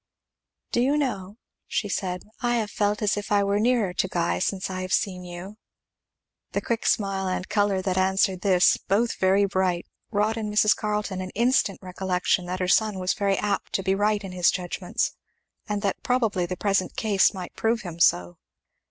"Do you know," she said, "I have felt as if I were nearer to Guy since I have seen you." The quick smile and colour that answered this, both very bright, wrought in Mrs Carleton an instant recollection that her son was very apt to be right in his judgments and that probably the present case might prove him so.